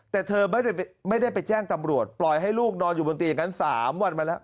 แต่เธอไม่ได้ไปแจ้งตำรวจปล่อยให้ลูกนอนอยู่บนเตียงอย่างนั้น๓วันมาแล้ว